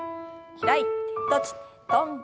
開いて閉じて跳んで。